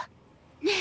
ねえ！